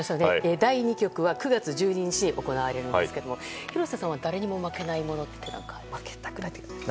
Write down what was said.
第２局は９月１２日に行われるんですが廣瀬さんは誰にも負けないものって何か、ありますか？